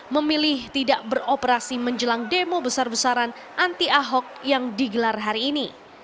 memilih tidak beroperasi menjelang demo besar besaran anti ahok yang digelar hari ini